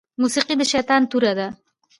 موسيقي د شيطان توره ده